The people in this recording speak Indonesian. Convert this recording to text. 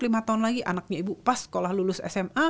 lima tahun lagi anaknya ibu pas sekolah lulus sma